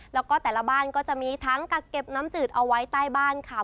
แล้วก็แต่ละบ้านก็จะมีทั้งกักเก็บน้ำจืดเอาไว้ใต้บ้านค่ะ